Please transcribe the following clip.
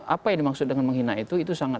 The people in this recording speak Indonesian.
apa yang dimaksud dengan menghina itu itu sangat